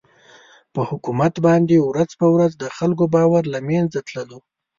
پر حکومت باندې ورځ په ورځ د خلکو باور له مېنځه تللو.